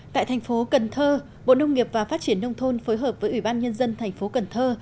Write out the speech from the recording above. tại thành phố cần thơ bộ nông nghiệp và phát triển nông thôn phối hợp với ủy ban nhân dân thành phố cần thơ